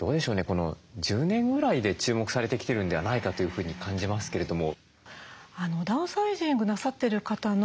この１０年ぐらいで注目されてきてるんではないかというふうに感じますけれども。